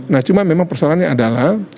nah cuma memang persoalannya adalah